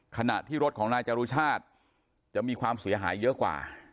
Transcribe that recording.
ขณะที่รถของนายจรุชาติจะมีความเสียหายเยอะกว่า